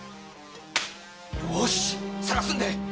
よし捜すんでい！